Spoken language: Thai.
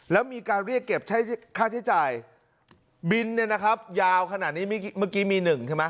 แล้วมีการเรียกเก็บใช้ค่าใช้จ่ายบินเนี่ยนะครับยาวขนาดนี้เมื่อกี้มีหนึ่งใช่ไหม